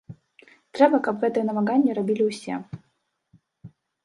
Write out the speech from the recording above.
Трэба, каб гэтыя намаганні рабілі ўсе.